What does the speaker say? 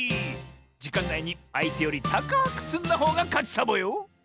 じかんないにあいてよりたかくつんだほうがかちサボよ！